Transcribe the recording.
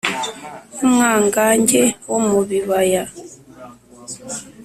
N’umwangange wo mu bibaya.